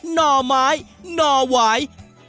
ห่อไม้หน่อหวาย